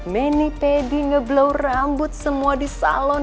many pedi ngeblow rambut semua di salon ya